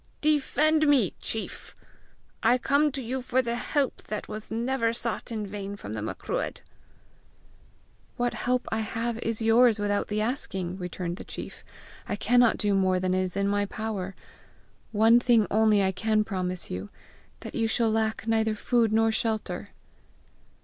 Defend me, chief! I come to you for the help that was never sought in vain from the Macruadh!" "What help I have is yours without the asking," returned the chief. "I cannot do more than is in my power! One thing only I can promise you that you shall lack neither food nor shelter."